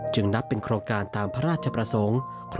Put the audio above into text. นับเป็นโครงการตามพระราชประสงค์